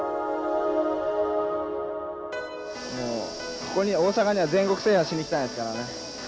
ここには、大阪には全国制覇しに来たんですからね。